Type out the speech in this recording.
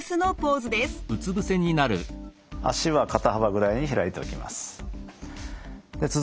脚は肩幅ぐらいに開いておきます。